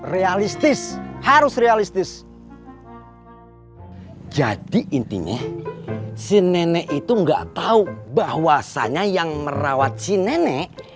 realistis harus realistis jadi intinya si nenek itu enggak tahu bahwasannya yang merawat si nenek